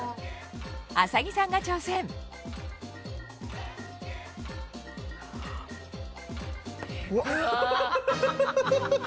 麻木さんが挑戦うわ。